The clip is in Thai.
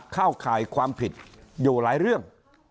เข้าข่ายความผิดอยู่หลายเรื่อง